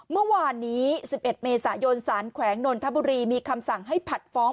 เมื่อวานนี้๑๑เมษายนสารแขวงนนทบุรีมีคำสั่งให้ผัดฟ้อง